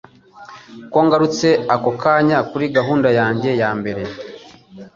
ko ngarutse ako kanya kuri gahunda yanjye yambere